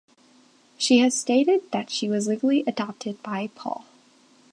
She has stated that she was legally adopted by Paul.